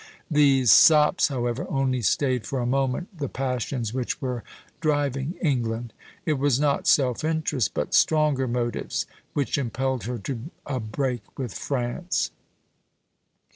These sops, however, only stayed for a moment the passions which were driving England; it was not self interest, but stronger motives, which impelled her to a break with France.